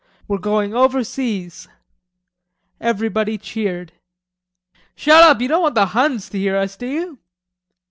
"We're going overseas." Everybody cheered. "Shut up, you don't want the Huns to hear us, do you?"